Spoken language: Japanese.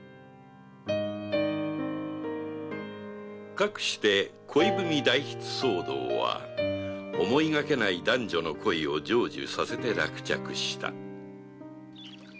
かくして恋文代筆騒動は思いがけない男女の恋を成就させて落着した